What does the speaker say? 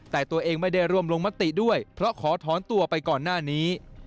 แต่ตัวเองไม่ได้ร่วมลงมติด้วยเพราะขอถอนตัวไปก่อนหน้านี้